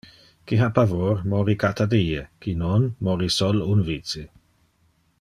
Qui ha pavor mori cata die, qui non mori sol un vice.